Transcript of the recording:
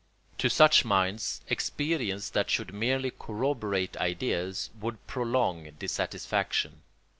To such minds experience that should merely corroborate ideas would prolong dissatisfaction.